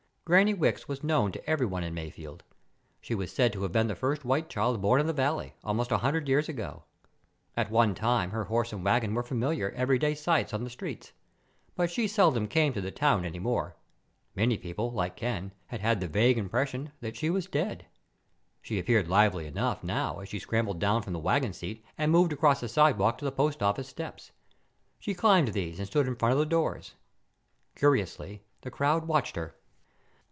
Granny Wicks was known to everyone in Mayfield. She was said to have been the first white child born in the valley, almost a hundred years ago. At one time, her horse and wagon were familiar, everyday sights on the streets, but she seldom came to town any more. Many people, like Ken, had had the vague impression that she was dead. She appeared lively enough now as she scrambled down from the wagon seat and moved across the sidewalk to the post office steps. She climbed these and stood in front of the doors. Curiously, the crowd watched her.